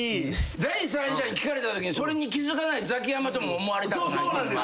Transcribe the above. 第三者に聞かれたときにそれに気付かないザキヤマとも思われたくないっていうのも。